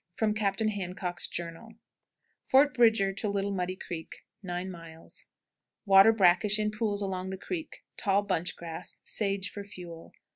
"_ From Captain Handcock's Journal. Miles. Fort Bridger to 9. Little Muddy Creek. Water brackish in pools along the creek; tall bunch grass; sage for fuel.